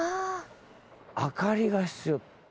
明かりが必要。